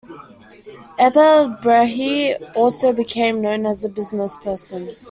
Ebba Brahe also became known as a business person.